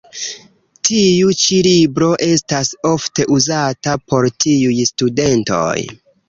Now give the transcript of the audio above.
Tiu ĉi libro estas ofte uzata por tiuj studentoj.